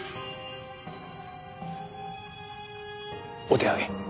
お手上げ？